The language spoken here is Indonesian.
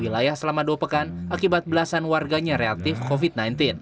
wilayah selama dua pekan akibat belasan warganya reaktif covid sembilan belas